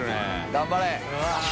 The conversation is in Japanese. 頑張れ！